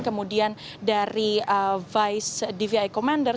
kemudian dari vice dvi commander